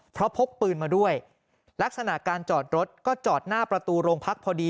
เพราะพกปืนมาด้วยลักษณะการจอดรถก็จอดหน้าประตูโรงพักพอดี